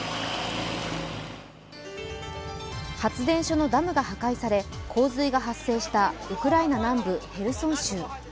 発電所のダムが破壊され洪水が発生したウクライナ南部ヘルソン州。